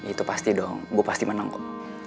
itu pasti dong gue pasti menang kok